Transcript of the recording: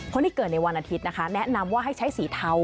คนที่เกิดในวันอาทิตย์นะคะแนะนำว่าให้ใช้สีเทา